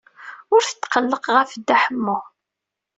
Ur tetqelleq ɣef Dda Ḥemmu.